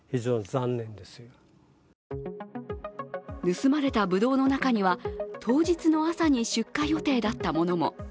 盗まれたぶどうの中には、当日の朝に出荷予定だったものも。